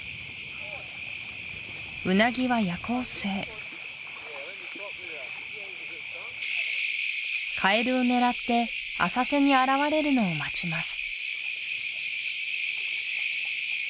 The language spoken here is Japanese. ウナギは夜行性カエルを狙って浅瀬に現れるのを待ちます